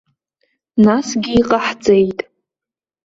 Насгьы иҟаҳҵеит.